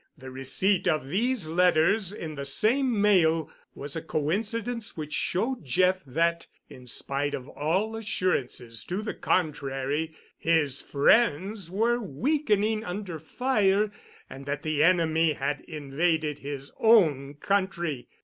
The receipt of these letters in the same mail was a coincidence which showed Jeff that, in spite of all assurances to the contrary, his friends were weakening under fire and that the enemy had invaded his own country.